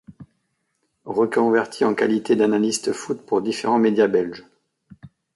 Reconverti en qualité d'analyste Foot pour différents médias belges.